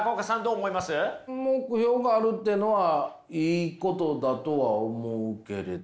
目標があるってのはいいことだとは思うけれど。